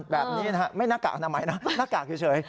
แบบนี้นะฮะไม่หน้ากากอนามัยนะหน้ากากเฉย